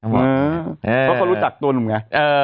เพราะเขารู้จักตัวหนุ่มไง